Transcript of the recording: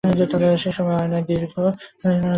সেসময়-ই আয়নায় দীর্ঘ, তীক্ষ্ণ নজরে নিজেকে দেখি।